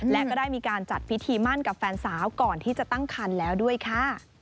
และก็ได้มีการจัดพิธีมั่นกับแฟนสาวก่อนที่จะตั้งคันแล้วด้วยค่ะ